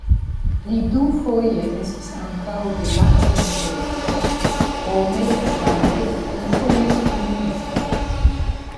Li dufoje estis ankaŭ departementestro, krome same dufoje subministro.